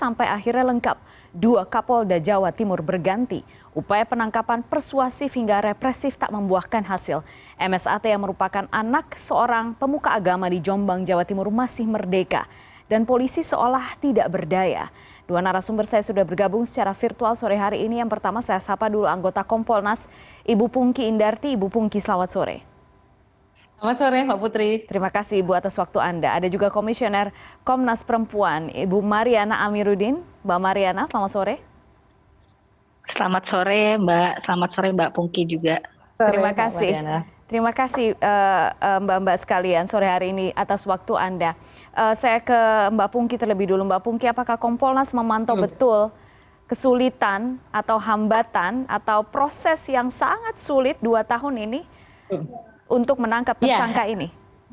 apakah kompolnas memantau betul kesulitan atau hambatan atau proses yang sangat sulit dua tahun ini untuk menangkap kesangka ini